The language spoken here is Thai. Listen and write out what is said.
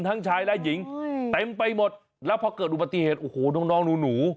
ทั้งชายและหญิงเต็มไปหมดแล้วพอเกิดอุบัติเหตุโอ้โหน้องน้องหนู